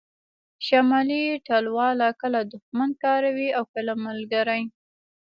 شمالي ټلواله کله دوښمن کاروي او کله ملګری